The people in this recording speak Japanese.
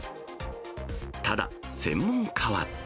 ただ、専門家は。